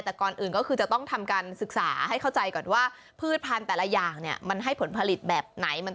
แต่ก่อนอื่นก็คือจะต้องทำการศึกษาให้เข้าใจก่อนว่าพืชพันธุ์แต่ละอย่างเนี่ยมันให้ผลผลิตแบบไหน